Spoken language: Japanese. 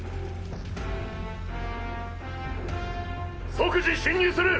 即時進入する。